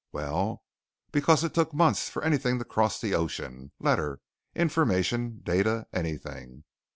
Well, because it took months for anything to cross the ocean, letter, information, data, anything.